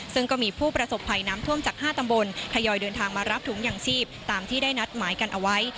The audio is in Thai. ซึ่งก็มีผู้ประสบภัยน้ำท่วมจาก๕ตำบลทยอยเดินทางมารับถุงอย่างชีพตามที่ได้นัดหมายกันเอาไว้